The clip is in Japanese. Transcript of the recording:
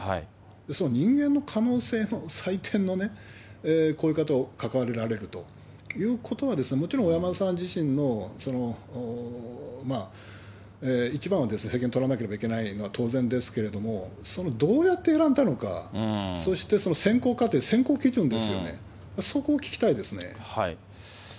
その人間の可能性の祭典にこういう方が関わられると、もちろん、小山田さん自身のその一番は責任取らなければいけないのは当然ですけれども、そのどうやって選んだのか、そして選考過程、選考基準ですよね、そこを聞きたいですね。